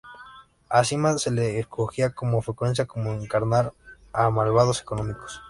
A Sima se le escogía con frecuencia para encarnar a malvados cómicos.